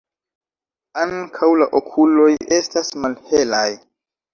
Ankaŭ la okuloj estas malhelaj.